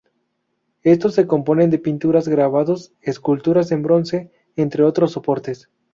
Estos se componen de pinturas, grabados, esculturas en bronce, entre otros soportes.